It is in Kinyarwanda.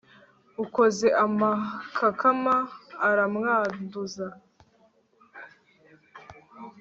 ukoze amakakama, aramwanduza